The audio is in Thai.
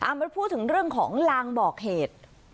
มาพูดถึงเรื่องของลางบอกเหตุ